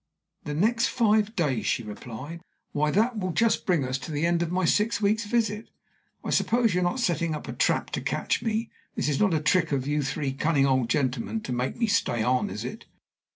"The next five days?" she replied. "Why, that will just bring us to the end of my six weeks' visit. I suppose you are not setting a trap to catch me? This is not a trick of you three cunning old gentlemen to make me stay on, is it?"